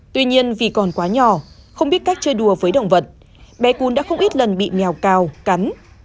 tuy nhiên vì còn quá nhỏ không biết cách chơi đùa với động vật bé cún đã không ít lần bị mèo cao cắn